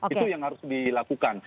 itu yang harus dilakukan